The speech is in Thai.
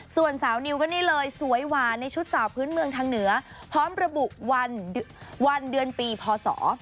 ส่วนสาวนิวก็นี่เลยสวยหวานในชุดสาวพื้นเมืองทางเหนือพร้อมระบุวันเดือนปีพศ